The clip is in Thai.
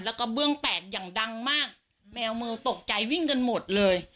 แล้วก็เบื้องแตกอย่างดังมากแมวมือตกใจวิ่งกันหมดเลย